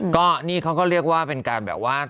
ก็นี่เขาก็เรียกว่าเป็นการแบบว่า